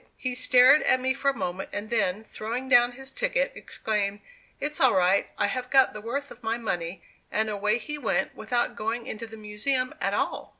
He stared at me for a moment, and then, throwing down his ticket, exclaimed, "It's all right; I have got the worth of my money"; and away he went, without going into the Museum at all!